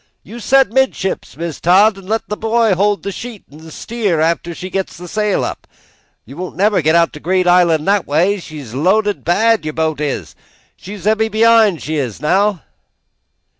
You set 'midships, Mis' Todd, an' let the boy hold the sheet 'n' steer after he gits the sail up; you won't never git out to Green Island that way. She's lo'ded bad, your bo't is, she's heavy behind's she is now!"